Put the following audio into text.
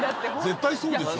絶対そうでしょ。